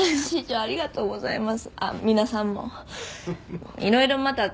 ありがとうございます。